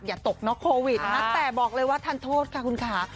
อย่าตกเนอะโควิดนะแต่บอกเลยว่าทันโทษค่ะคุณค่ะ